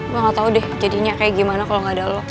gue gak tau deh jadinya kayak gimana kalau gak ada lo